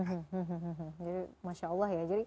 jadi masya allah ya